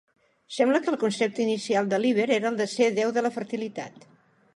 Sembla que el concepte inicial de Líber era el de ser déu de la fertilitat.